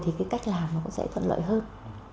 thì cái cách làm cũng sẽ thuận lợi hơn